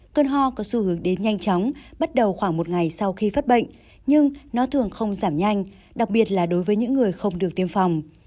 cơn ho có xu hướng đến nhanh chóng bắt đầu khoảng một ngày sau khi phát bệnh nhưng nó thường không giảm nhanh đặc biệt là đối với những người không được tiêm phòng